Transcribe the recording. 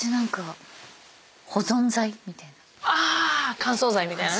乾燥剤みたいなね。